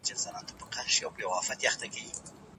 پوهاوی د ایډز د مخنیوي کیلي ده.